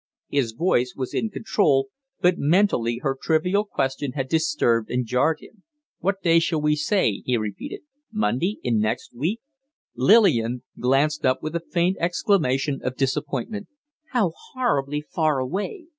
His voice was in control, but mentally her trivial question had disturbed and jarred him. "What day shall we say?" he repeated. "Monday in next week?" Lillian glanced up with a faint exclamation of disappointment. "How horribly faraway!"